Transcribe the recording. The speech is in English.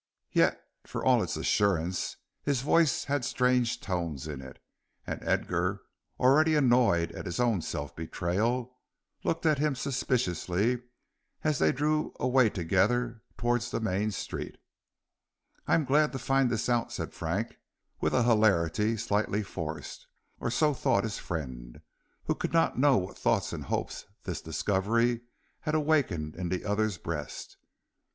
Yet for all its assurance his voice had strange tones in it, and Edgar, already annoyed at his own self betrayal, looked at him suspiciously as they drew away together towards the main street. "I am glad to find this out," said Frank, with a hilarity slightly forced, or so thought his friend, who could not know what thoughts and hopes this discovery had awakened in the other's breast.